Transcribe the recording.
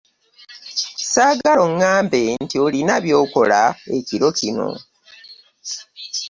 Ssaagala ongambe nti olina by'okola ekiro kino.